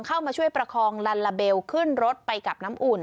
เข้ามาช่วยประคองลัลลาเบลขึ้นรถไปกับน้ำอุ่น